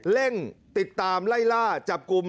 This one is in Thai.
เร่งติดตามไล่ล่าจับกลุ่ม